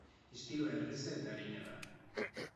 Estiloa erreza eta arina da.